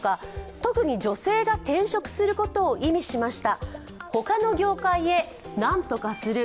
特に女性が転職することを意味しました。